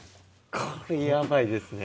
これヤバいですね。